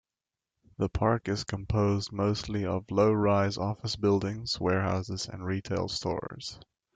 The park is composed mostly of low-rise office buildings, warehouses and retail stores.